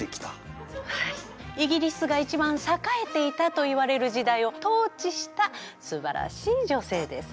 はいイギリスが一番栄えていたといわれる時代を統治したすばらしい女性です。